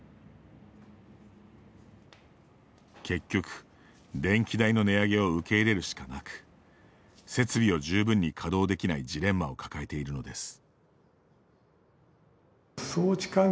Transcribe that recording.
結局、電気代の値上げを受け入れるしかなく設備を十分に稼働できないジレンマを抱えているのです。